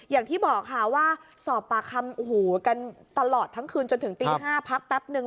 อย่างที่บอกค่ะว่าสอบปากคำโอ้โหกันตลอดทั้งคืนจนถึงตี๕พักแป๊บนึง